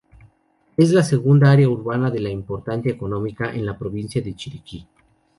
Es la segunda área urbana de importancia económica en la provincia de Chiriquí.